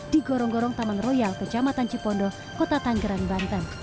di gorong gorong taman royal kecamatan cipondo kota tanggerang banten